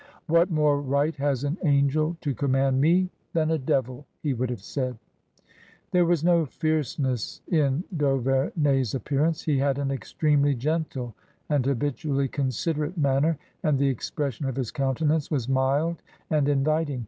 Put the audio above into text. " What more right has an angel to command me than a devil ?" he would have said. There was no fierceness in d*Auverney*s appearance. He had an extremely gentle and habitually considerate manner, and the expression of his countenance was mild and inviting.